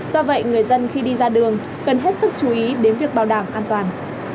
do vậy người dân khi đi ra đường cần hết sức chú ý đến việc bảo đảm an toàn